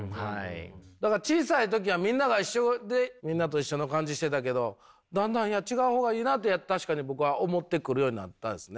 だから小さい時はみんなが一緒でみんなと一緒の感じしてたけどだんだんいや違う方がいいなって確かに僕は思ってくるようになったですね。